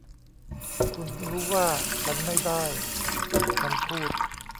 คุณรู้ว่าฉันไม่ได้ ฉันพูด